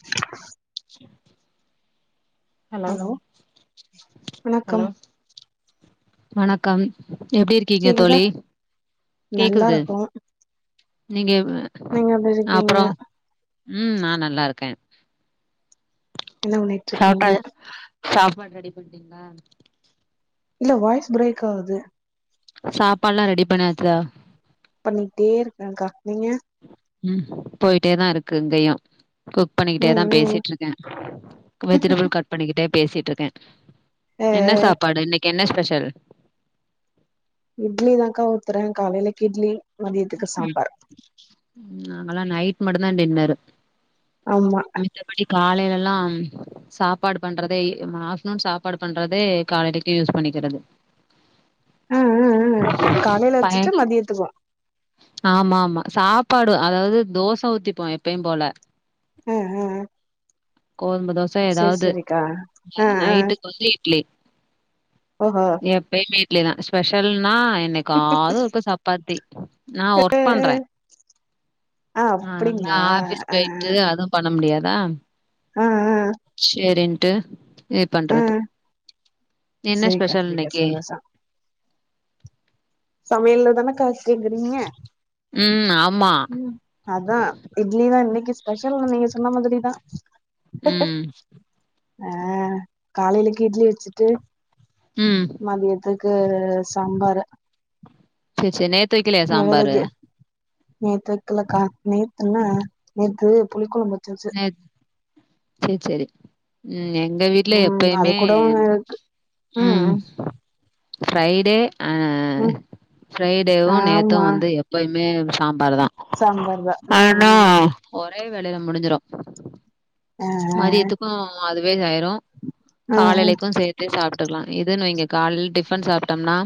[inaudible] [unintelligible] Hello hello வணக்கம் வணக்கம் எப்படி இருக்கீங்க கேக்குதா தோழி நல்லா கேக்குது இருக்கோ நீங்க நீங்க எப்டி இருக்கீங்க அப்பறோ ம் நா நல்லா இருக்கே என்ன பண்ணிட்டு இருக்கீங்க சாப்பிட்டா சாப்பாடு ரெடி பண்னிட்டீங்களா இல்ல வாய்ஸ் பிரேக் ஆகுது சாப்பாடு எல்லா ரெடி பண்ணியாச்சா பண்ணிட்டே இருக்கேக்கா நீங்க ம் போயிட்டே தா இருக்கு இங்கையு குக் பண்ணிக்கிட்டே தா ம் ம் பேசிட்டு இருக்கே வெஜிடபிள் கட் பண்ணிக்கிட்டே பேசிட்டு இருக்கே ஆ என்ன சாப்பாடு இன்னைக்கு என்ன ஸ்பெஷல் இட்லி தானக்கா ஊத்துறே காலையிலக்கு இட்லி மதியத்துக்கு சாம்பார் நாங்கெல்லா நைட் மட்டுதா டின்னர்ரு ஆமா மேத்தபடி காலையிலல்லா சாப்பாடு பண்றதே ஆஃப்டர்நூன் சாப்பாடு பண்றதே காலைலக்கு யூஸ் பண்ணிக்கிறது ஆ ஆ [inaudible] காலையில வச்சுட்டு மதியத்துக்குவோ ஆமா ஆமா சாப்பாடு அதாவது தோசை ஊத்திப்போ எப்பயு போல ம் ஹம் கோதும்ப தோச ஏதாவது செரிக்கா ஆ நைட்டுக்கு வந்து இட்லி ஓஹ எப்பயு வீட்ல தா ஸ்பெஷல்னா என்னைக்குது இருப்ப சப்பாத்தி நான் ஆ ஒர்க் ஆ பண்றே ஆ ஆஹ் நா அப்டிங்களா ஆபிஸ் ஆ போயிட்டு அதுவு பண்ண முடியாதா ஆ ஆ ஆ செரின்ட்டு பண் இது ஆ பண்றது என்ன செரிக்கா ஸ்பெஷல் செரிக்கா இன்னைக்கு சந்தோஷோ சமையல்ல தானே காசேங்கிறீங்க ம் ஆமா ம் அதா இட்லி தா இன்னைக்கு ஸ்பெஷல் நீங்க சொன்ன மாதிரி தா ம் ஆஹ் காலலைக்கு இட்லி வச்சிட்டு ம் மதியத்துக்கு சாம்பரு சேரி சேரி நேத்து வைக்கலையா சாம்பாரு? நிலக்கே நேத்து வைக்கலக்கா நேத்துன்னா நேத்து புளி குழம்பு சேரி சேரி ம் எங்க வீட்ல ம் அது எப்பயுமே கூட இருக்கு ம் ஃரைடே அஹ் ம் ஃரைடேவு நேத்து ஆமா வந்து எப்பயுமே சாம்பார் தான் சாம்பார் தா ம் ஆனா ம் ஒரே வேளையில முடிஞ்சிடும் ஆ மதியத்துக்கும் அதுவே செய்யரும் ஆ காலலிக்கும் செய் ஞ்சி சாப்ட்டுக்கலாம் இதுன்வைங்க காலைய டிஃபன் சாப்ட்டோம்னா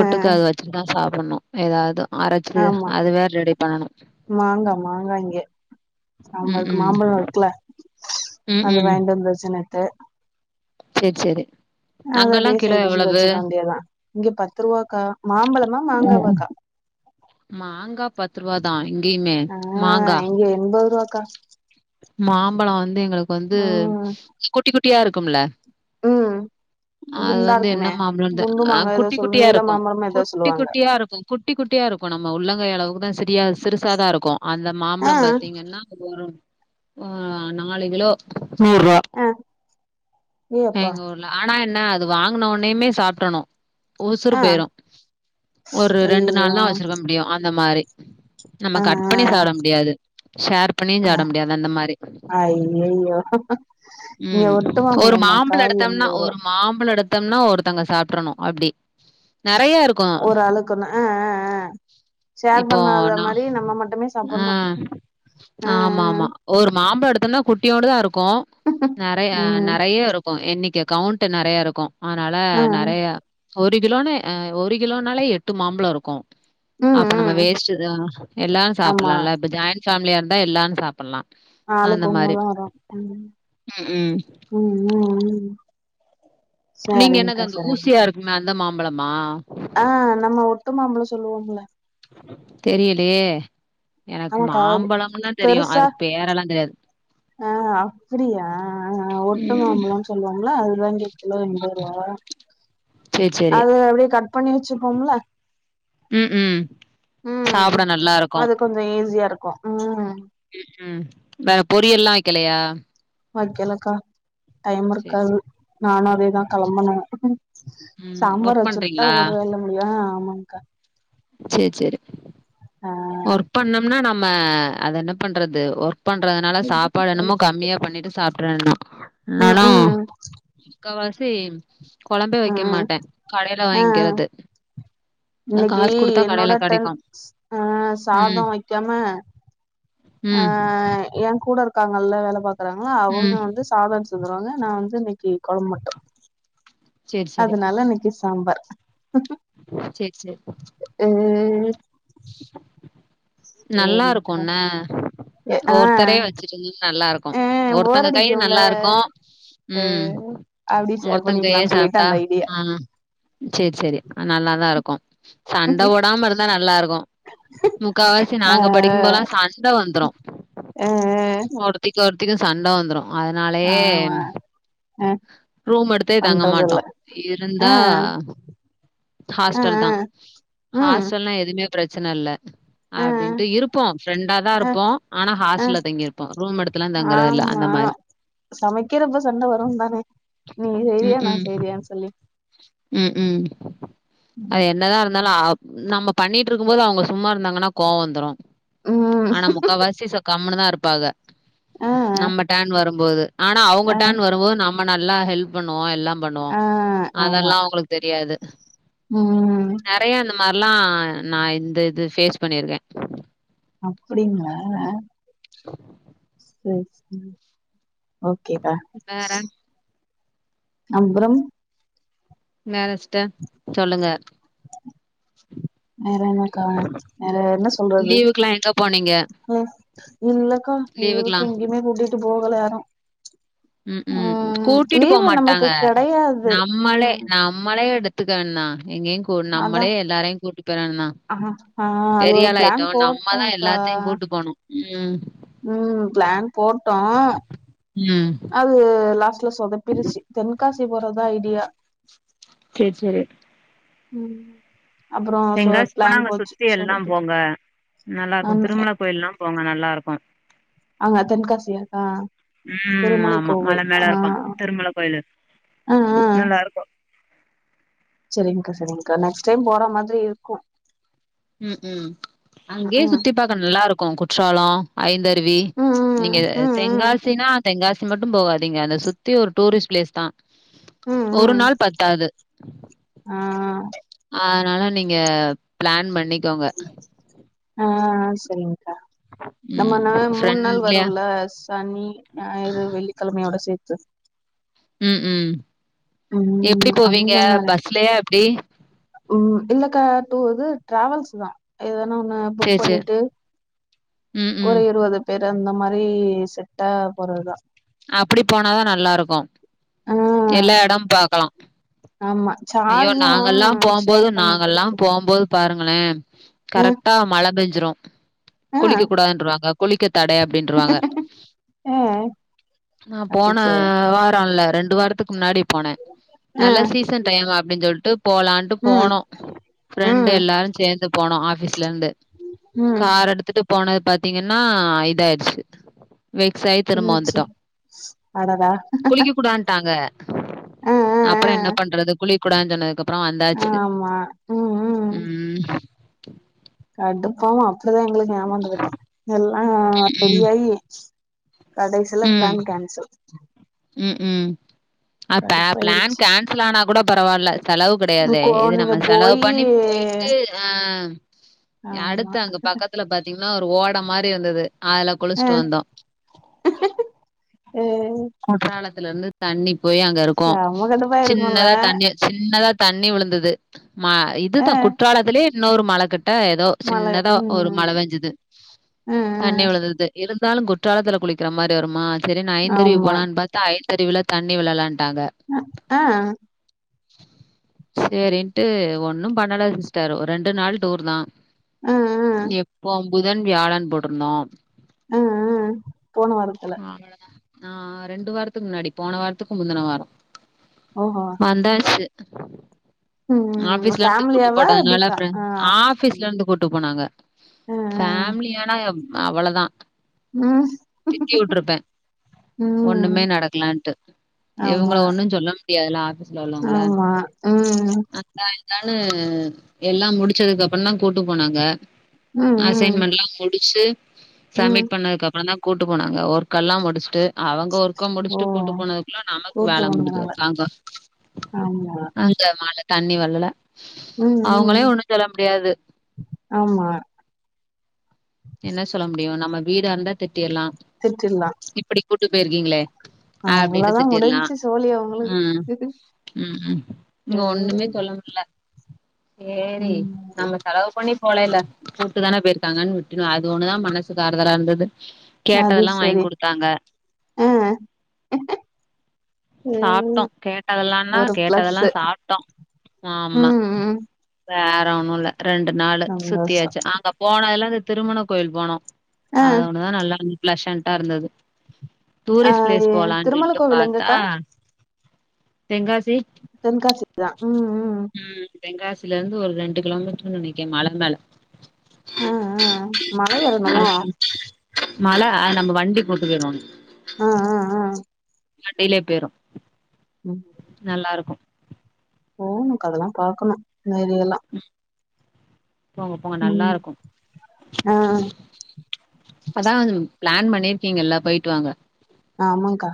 ஆ அத வச்சுதான் சாப்டணும் ஏதாவது அரைச்சு ஆமா அதுவேற ரெடி பண்ணணும் சாம்பார் ம் இருக்கு ம் மாம்பழம் இருக்குல ம் அது ம் வாயிண்ட்டு வந்து வச்ச நேத்து சேர் சேரி அத அப்டியே அங்கல்லாம் கிலோ சைடிஷ்கு எவ்வளவு வச்சுக்க வேண்டியதான் இங்க பத்து ரூபாக்கா மாம்பழமா ம் மாங்காவாக்கா மாங்கா பத்து ரூபா தான் இங்கேயுமே மாங்கா எண்பதுரூபாக்கா மாம்பழம் வந்து எங்களுக்கு வந்து ம் குட்டி குட்டியா இருக்கும்ல ம் [inaudible] அது குண்டா வந்து என்ன இருக்குமே மாப்பழம்னு குண்டு ஆ மாங்கா ஏதோ குட்டி சொல்லு குட்டியா நீள இருக்கும் மாம்பழமோ ஏதோ குட்டி சொல்லுவாங்க குட்டியா இருக்கும் குட்டி குட்டியா இருக்கும் நம்ம உள்ளங்கைய அளவுக்கு தான் சிரியா சிறுசா தான் இருக்கும் அந்த ஆ மாம்பழம் பார்த்தீங்கன்னா அப்பறோம் ஆ நாலு கிலோ நூறூபா அ எங்க ஊர்ல ஆனா என்ன அது வாங்கன உனுமே சாப்படணும் உசுறு ஆ போய்ரும் ஒரு ரெண்டு ஐயையோ நாள் தான் வச்சுருக்க முடியும் அந்த மாரி நம்ம ஆ கட் பண்ணி சாப்பட முடியாது ஷேர் பண்ணியும் சாப்ட முடியாது அந்த மாரி ஐயய்யோ ம் ஒரு மாம்பழம் அது எடுத்தம்னா எண்பது ரூவா ஒரு மாம்பழம் எடுத்தோம்னா ஒருத்தங்க சாப்படணும் அப்டி நெறைய இருக்கும். ஒரு ஆளுக்குன்னா ஆ ஆ ஆ ஷேர் இப்போ பண்ணாத நா மாரி நம்ம மட்டுமே சாப்டணும் ஆமா ஆமா ஒரு மாம்பழ எடுத்தோம்னா குட்டியோன்டு தான் இருக்கும் நறைய ம் ம் நறைய இருக்கும் இன்னைக்கு கவுண்ட் நறையா இருக்கும் அதனால ஆ நறையா ஒரு கிலோன்னு ஒரு கிலோனால எட்டு மாம்பழம் இருக்கும் ம் அப்ப நம்ம ம் வேஸ்ட் தான் எல்லாரும் ஆமா சாப்படலாம் இல்ல இப்ப ஜாயிண்ட் ஃபேமிலியா இருந்தா எல்லாரும் சாப்பல்லாம் ஆளுக்கு ஒன்னுதான் வரும் ம் ம். ம் ம் ம் நீங்க என்னது சரிங்க்கா அந்த ஊசியா சரிங்க்கா இருக்குமே அந்த மாம்பழமா ஆ நம்ம ஒட்டுமாம்பழம் சொல்லுவோம்ல தெரியலேயே எனக்கு ஆமாக்கா மாம்பழம்ல்லாம் தெரியும் பெருசா அதுக்கு பேரெல்லாம் தெரியாது ஆ அப்டியா ஆ ஆ ம். ஒட்டுமாம்பழம் சொல்லுவாங்கள அதுலா இங்க கிலோ எண்பது ரூபா சரி, சரி. அது அப்டியே கட் பண்ணி வச்சுப்போம்ல ம், ம். சாப்பிட ம் நல்லாருக்கும். அது கொஞ்சம் ஈஸியா இருக்கும் ம் ம் வேற பொரியல்லாம் வைக்கலையா வைக்கலக்கா டைம் சேரி சே இருக்காது நானும் அதேதான் கிளம்பனோ ம் சாம்பார் ஒர்க் வச்சுட்டா பண்றீங்களா ஒருவேல்ல முடியும் ஆ ஆமாக்கா சேர் சேரி ஆ ஒர்க் பண்ணோம்னா நம்ம அது என்ன பண்றது ஒர்க் பண்றதுனால ம் சாப்பாடு என்னமோ கம்மியா பண்ணிட்டு சாப்டுறனும் என்னனா முக்காவாசி குழம்பே ம் வைக்க ம் மாட்டேன் கடையில வாங்கிக்கிறது இன்னைக்கி காசு குடுத்தா கடையில என்னோட டேர்ன் கெடைக்கு அ ம் சாதோ வைக்காம ம் ஆ எல்லா கூட இருக்காங்கல்ல வேலை பாக்குறாங்க அவ்ங்க ம் வந்து சாதோ செஞ்சருவாங்க நா வந்து இன்னைக்கி கொழம்பு மட்டு சேரி சேரி அதனால இன்னைக்கி சாம்பார் செரி செரி ம் ம்ம் நல்லா சரிக்கா இருக்குண்ணே ஆ ஒருத்தரே வச்சுட்டு இருந்த நல்லா இருக்கு ஆ போர் ஒருத்தங்க கை அடிக்கும்ல நல்லா இருக்கு ஆ ம் அப்டி ஷேர் ஒருத்தங்கங்கையே பண்ணிக்கலான்னு சொல்லிட்டு சாப்பிட்டா அந்த ஐடியா ஆ சேரி சேரி நல்லாதா இருக்கு சண்டை போடாம இருந்தா நல்லா இருக் கு முக்காவாசி ஆ நாங்க படிக்கும்போலா சண்டை வந்துரு ஆ ஒருத்திக்கு ஒருத்திக்கு சண்ட வந்துரு அதனாலயே ஆமா ஆ ரூம் எடுத்தே தங்க மாட்டோ பண்றதில்ல ஆ இருந்தா ஆ ஹாஸ்டல் தா ம் ஹாஸ்டல்னா எதுவுமே பிரச்சனை இல்ல ஆ அப்டின்ட்டு இருப்போ ஃப்ரெண்டா தா ஆ இருப்போ ஆனா ஆ ஹாஸ்டல்ல தங்கிருப்போ ரூம் எடுத்துலல்லா தங்குறதில்ல அந்த மாரி சமைக்க ரொம்ப சண்டை வரும் தானே நீ செய்ரியா நா செய்ரியன்னு சொல்லி ம்ஹூம் அது ம் என்னதா இருந்தாலு நம்ம பண்ணிட் டு இருக்கும்போது அவங்க சும்மா இருந்தாங்கன்னா கோவம் வந்துரு ம், ஆனா முக்கால்வசிச கம்னு தா இருப்பாங்க ஆ நம்ம டேன் வரும்போது ஆனா அவங்க ஆ டேன் வரும்போது நம்ம நல்லா ஹெல்ப் பண்ணுவோ எல்லாம் பண்ணுவோ ஆ அதெல்லா ஆமா அவ்ங்களுக்கு தெரியாது ம் நெறைய இந்த மாரிலாம் நா இந்த இது பேஃஸ் பண்ணியிருக்கே அப்டிங்களா சேரி சேரி ஓகேடா வேற, அம்பரம் நெனச்சிட்ட சொல்லுங்க வேற என்னக்க வேற என்ன சொல்றது லீவுக்குலாம் எங்க போனீங்க? ம் இல்லக்கா லீவுக்கு லீவுக்குலாம். எங்கேயுமே கூட்டிட்டு போகல யாரு ம்ஹூம் கூட்டிட்டு போமாட்டாங்க கெடையாது நம்மளே ம் நம்மளே எடுத் துக்கான எங் எங் அதா நம்மளே எல்லாரையும் கூட்டிட்டு போயறானுண்ணா ஆ ஆ அது ஒரு பெரியள் பிளான் ஆயிட்டோ நம்மதான் போட்டோம்க்கா எல்லாத்தையு கூட்டு போணு ம் ம் பிளான் போட்டோ ம் அது லாஸ்ட்ல சொதப்பிருச்சு தென்காசி போறதா ஐடியா செரி செரி ம் அப்புறோ சொ தென்காசி போனா பிளான் அங்க போச்சு சுத்தி எல்லாம் சொதப்பிட்டு போங்க நல்லா இருக்கு திருமலை கோயில் எல்லா போங்க நல்லா இருக்கு அங்க தென்காசியாக்கா ம் திருமலை ஆமா கோவில் மழை மேல ஆ இருக்கு திருமலை கோயிலு ஆ ஆ நல்லா இருக்கு செரிங்க்கா செரிங்க்கா நெக்ஸ்ட் டைம் போற மாரி இருக்கு ம்ஹூம் அங்கேயே ம் சுத்தி பாக்க நல்லாருக்கு குற்றாலோ ஐந்தருவி ம் நீங்க ம் ம் ம் தெங்காசினா தென்காசி மட்டு போகாதீங்க அத சுத்தி ஒரு டூரிஸ்ட் பிளேஸ் தா ம் ஒரு ம் நாள் பத்தாது ஆ அதனால நீங்க பிளான் பண்ணிக்கோங்க அ அ அ சரிங்கா நம்ம ம் ந மூன் நாள் ஃப்ரெண்ட்லியா வருல சனி ஞாயிறு வெள்ளிக்கெழமையோட சேத்து ம் ம் எப்டி ம் போவீங்க அந்த மாரி பஸ்லயா எப்டி ம் இல்லக்கா டூ இது டிராவல்ஸ் தா எதனா ஒன்னு புக் சேரி சேரி பண்ணிட்டு ம் ஒரு ம் இருவது பேரு அந்த மாரி செட்டா போறதுதா அப்படி போனாதா நல்லா இருக்கு ஆ எல்லா எடம் பாக்கலா ஆமா ஐயோ சார்ஜும் நாங்கலெல்லா ஷேர் போம்போது நாங்கல்லா பண்ணிக்கிறதுக்கு போம்போது பாருங்களே ம் கரெக்டா மழ பெஞ்சுரு குளிக்க ம் கூடாதுன்றவாங்க குளிக்க தட அப்டின்றுவாங்க அ நா போன வாரோல ரெண்டு வாரத்துக்கு முன்னாடி போனே நல்ல ம் சீசன் டைம் அப்டின் சொல்ட்டு போலான்ட்டு ம் போனோ ஃப்ரெண்டு ம் எல்லாரு சேர்ந்து போனோ ஆபீஸ்ல இருந்து ம் கார் எடுத்துட்டு போனது பாத்தீங்கன்னா இதாயிர்ச்சு வெக்ஸாய் என்னாச்சு அடடா குளிக்க கூடான்ட்டாங்க ஆ ஆ ஆ அப்புறோ என்ன பண்றது குளிக் கூடான் சொன்னதுக்கப் புறோ வந்தாச்சு ஆமா ம் ம் கடுப்பாவு அப்படிதா எங்களுக்கு ஏமாந்து போய்ட்டோ எல்லா ம் ரெடியாயி கடைசில பிளான் கேன்சல் ம் ம் அப்ப பிளான் கடுப்பாயிருச்சு கேன்சல் ஆனா கூட பரவால்ல செலவு கெடையாதே கோ இது நீங்க நம்ம செலவு போயி பண்ணி போயிட்டு ஆ ஆமா அடுத்து அங்க பக்கத் பக்கத்துல பாத்தீங்கன்னா ஒரு ஓடம் மாரி இருந்தது அதுல ஆ குளிஸ்ட்டு வந்தோ ஏ குற்றாலத்துல இருந்து தண்ணி போய் அங்க இருக்கு செம கடுப்பா இருக்குல்ல சின்னதா தண்ணி சின்னதா தண்ணி விழுந்தது மா ஆ இதுதா குற்றாலத்திலயே இன்னொரு மழ கிட்ட எதோ மழ சின்னதா ஒரு மழ ம் பெஞ்சது ம் தண்ணி ம் விழுறது இருந்தாலு குற்றாலத்துல குளிக்கிற மாதிரி வருமா சரின் ஐந்தறிவு ஆமா பாத்தா ஐத்தறிவுல தண்ணி விழலன்ட்டாங்க ம் ஆ சேரின்ட்டு ஒன்னு பண்ணல சிஸ்டர் ஒரு ரெண்டு நாள் டூர் தா ஆ எப்போ புதன் வியாழன் போட்டுருந்தோ ம் ம் போன வாரத்துல அவ்வளதா ஆ ரெண்டு வாரத்துக் முன்னாடி போன வாரத்துக்கு முந்துன வாரோ ஓஹோ வந்தாச்சு ம் ஆபீஸ்ல இருந்து கூட்டு ஃபேமிலியாவா போட்டனால எப்டிக்கா ஃபிரண் ஆ ஆபீஸ்ல ம் இருந்து கூட்டு போனாங்க ம் ஃபேமிலியானா அவ்ளதா ம் திட்டி உட்ருப்பே ஒண்ணுமே ம் நடக்கலன்ட்டு இவங்கள ஆமா ஒன்னு சொல்ல முடியாதுல்ல ஆபீஸ்ல உள்ளவங்கள ஆமா ம் இதா இதான்னு எல்லாம் முடிச்சதுக் அப்பந்தா கூட்டு போனாங்க ம் ம் அசைன்மெண்ட்லா முடிச்சு ம் சப்மிட் பண்ணதுக் அப்றந்தா தா கூட்டு போனாங்க ஒர்க்கல்லா முடிச் அவுங்க ஒர்க்க ஓ முடிச்சுட்டு கூட்டு போனதுக்குள்ள நமக்கு கூட்டு வேல முடிஞ்சி வந்தனால இருக்காங்க ஆமா அந்த மால தண்ணி வர்ல ம் ம் ஆமா என்ன சொல்ல முடியு நம்ம வீடாருந்தா திட்டிட்லா திட்டிர்லா இப்டி கூட்டு போயிருக்கீங்களே அப்டின்ட்டு அவ்ளோதா திட்டிர்லா முடிஞ்ச்சு சோலி ம் அவங்களுக்கு ம் ம் இங்க ஒன்னுமே ம் சொல்ல முல்ல சேரி ம் நம்ம செலவு பண்ணி போல எல்லா கூட்டு தான போயிருக்காங்கன் அது ஒண்ணுதா மனசுக்கு ஆறுதலா இருந்துது அது சரி ஆ சாப்ட்டோ ம். கேட்டதல்லான்னா ஒரு கேட்டதல்லா பிளஸ்ஸு சாப்ட்டோ ஆமா ம் ம் வேற ஒன்னு இல்ல ரெண்டு நாளு சந்தோஷோ சுத்தியாச்சு அங்க போனதுல அந்த திருமண கோயில் போனோ ஆ அத ஒன்னு தா நல்லா இருந்து பிளஷன்டா இருந்து ஆ டூரிஸ்ட் பிளேஸ் எ போலான் திருமல சொல்ட்டு பா கோவில் எங்கக்கா தென்காசி தென்காசி இதா ம் ம் ம் தென்காசிலேருந்து ஒரு ரெண்டு கிலோமீட்ருன் நெனைக்கிறே மல மேல ஆ ஆ மலை [inaudible] ஏறணுமோ ஆ மல அ நம்ம வண்டி போட்டு போயிடணு ஆ ஆ ஆ வண்டிலே பேயிரு ம் நல்லாருக்கு போணு கா அதாலா பாக்கணு [unintelligible] எல்லா போங்க போங்க நல்லா ம் இருக்கு ஆ அதா அது பிளான் பண்ணிருக்கீங்கல்ல போயிட்டு வாங்க ஆமாங் கா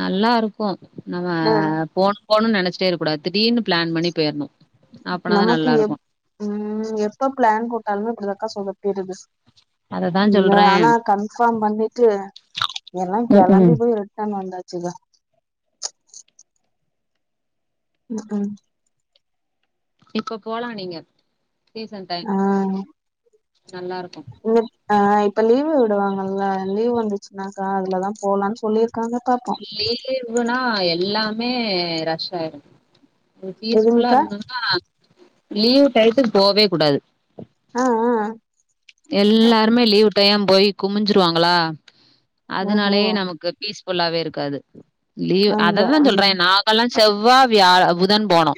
நல்லா இருக்கு நம்ம ஆ போனு போனு நெனைச்சிட்டே இருக்ககூடாது திடீர்னு பிளான் பண்ணி பேயிர்ணு நமக்கு எப் ம் எப்ப பிளான் போட்டாலுமே இப்டிதாங் கா சொதப்பிடுது அததா ம் சொல்றே ஆனா கன்ஃபார்ம் பண்ணிட்டு எல்லா ம் கெளம்பி ம் போய் ரிட்டன் வந்தாச்சுங்க ம் இப்போ போலா நீங்க சீசன் டைம் ஆ நல்லா இருக்கு இல்ல ஆ இப்ப லீவு விடுவாங்கல்ல லீவ் வந்துச்சுன்னாக்கா அதுலதா போலான் சொல்லிருக்காங்க பாப்போ லீவே இல்லன்னா எல்லாமே ரஷ் ஆயிரு ஒரு பீஸ்ஃபுல்லா எதுங்க்கா இருந்துதுன்னா லீவ் டைத்துக்கு போவே கூடாது ஆ ஆ எல்லார்மே லீவ் டயம் போய் குமிஞ்சிருவாங்களா ஓஹோ அதனாலே நமக்கு பீஸ்ஃபுல்லாவே இருக்காது லீவ் அங்க அததா ம் சொல்றே நாங்கல்லா செவ்வா வியா புதன் போனோ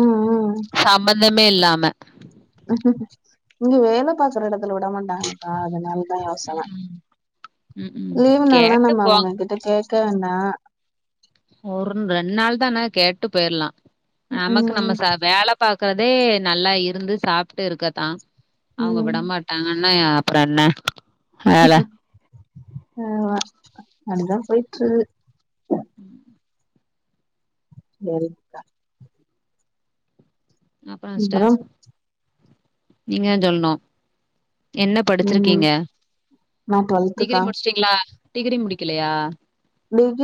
ம் ம் சம்மந்தமே இல்லாம இங்க வேலை பாக்குற இடத்துல விட மாட்டாங்க்கா அதனால ம் ம் லீவு நாள்னா கேட்டு நம்ம போங்க அவங்க கிட்ட கேட்க வேணா ஒரு ரெண்டு நாள் தான கேட்டு போயிர்லா நமக்கு நம்ம ம் ச வேலை பாக்குறதே நல்லா இருந்து சாப்ட்டு இருக்கதா அவுங்க ம் விடமாட்டாங்க என்னயா அப்புற என்ன வேல ஆமா அப்டிதா போயிட்டு இருக்குது உம் சேரிக்கா அப்புற சிஸ்டர் அப்றம் நீங்கதா சொல்ணு என்ன ம் படிச்சிருக்கீங்க நா டிகிரி டுவெல்த்துக்கா முடிச்சுட்டீங்களா டிகிரி முடிக்கலையா டிகிரி